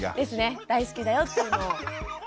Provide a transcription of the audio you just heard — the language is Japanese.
大好きだよっていうのを。